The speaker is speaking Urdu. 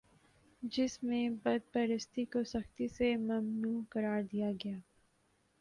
جس میں بت پرستی کو سختی سے ممنوع قرار دیا گیا